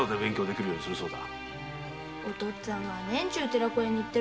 お父っつぁんは年中寺子屋だよ。